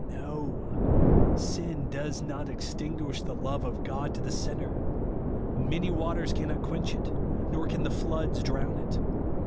No ; sin does not extinguish the love of God to the sinner. Many waters cannot quench it, nor can the floods drown it.